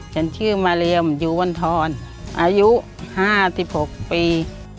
ฉันชื่อมาเรียมอยู่วันทรอายุ๕๖ปี